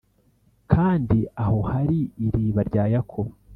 kandi aho hari iriba rya Yakobo